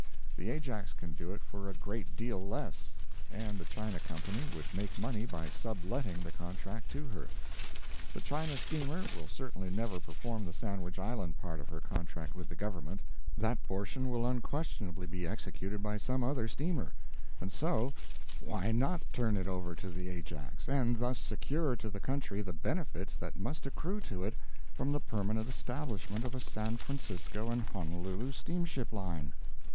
The Ajax can do it for a great deal less, and the China company would make money by sub letting the contract to her. The China steamer will certainly never perform the Sandwich Island part of her contract with the Government; that portion will unquestionably be executed by some other steamer, and so, why not turn it over to the Ajax, and thus secure to the country the benefits that must accrue to it from the permanent establishment of a San Francisco and Honolulu steamship line?